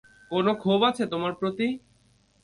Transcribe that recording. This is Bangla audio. কোন ক্ষোভ আছে তোমার প্রতি?